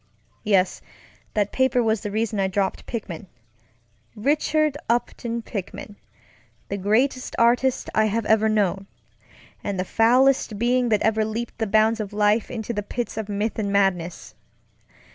Yes, that paper was the reason I dropped Pickman; Richard Upton Pickman, the greatest artist I have ever knownŌĆöand the foulest being that ever leaped the bounds of life into the pits of myth and madness.